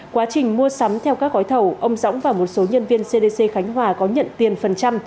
quá trình mua sắm theo các gói thầu ông dõng và một số nhân viên cdc khánh hòa có nhận tiền phần trăm